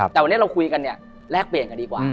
แต่วันนี้เราคุยกันเนี่ยแลกเปลี่ยนกันดีกว่า